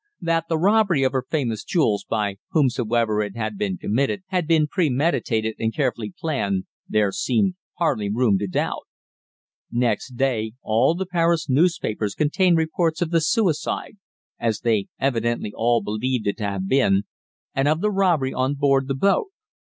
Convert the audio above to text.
That the robbery of her famous jewels, by whomsoever it had been committed, had been premeditated and carefully planned, there seemed hardly room to doubt. Next day all the Paris newspapers contained reports of the suicide as they evidently all believed it to have been and of the robbery on board the boat.